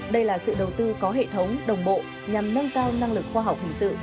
đây là sự đầu tư có hệ thống đồng bộ nhằm nâng cao năng lực khoa học hình sự